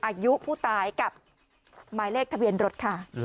อายุผู้ตายกับหมายเลขทะเบียนรถค่ะ